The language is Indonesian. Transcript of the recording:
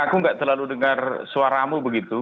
aku nggak terlalu dengar suaramu begitu